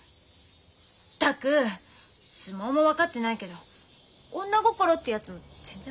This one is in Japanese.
ったく相撲も分かってないけど女心ってやつも全然分かってない人ね。